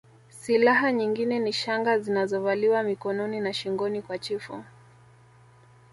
Silaha nyingine ni shanga zinazovaliwa mikononi na shingoni kwa chifu